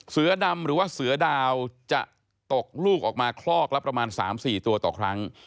เสือดำหรือว่าเสือดาวจะตกลูกออกมาคลอกละประมาณ๓๔ตัวต่อครั้ง